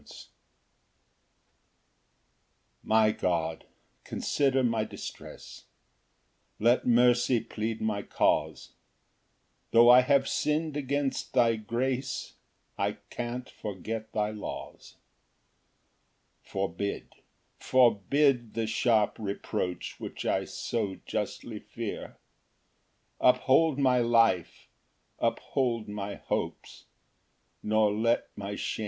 Ver. 153. 1 My God, consider my distress, Let mercy plead my cause; Tho' I have sinn'd against thy grace, I can't forget thy laws. Ver. 39 116. 1 Forbid, forbid the sharp reproach Which I so justly fear; Uphold my life, uphold my hopes, Nor let my shame appear.